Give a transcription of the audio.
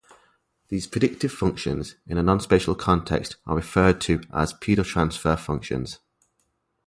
These predictive functions, in a non-spatial context are referred to as pedotransfer functions.